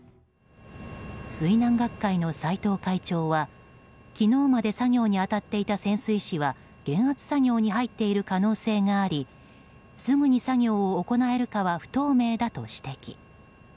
水難学会の斎藤会長は昨日まで作業に当たっていた潜水士は減圧作業に入っている可能性がありすぐに作業を行えるかは不透明だと指摘。